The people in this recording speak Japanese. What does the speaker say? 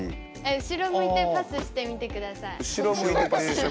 うしろ向いてパスしてください？